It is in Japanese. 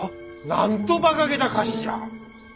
なんとバカげた菓子じゃ！